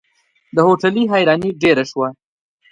د هوټلي حيراني ډېره شوه.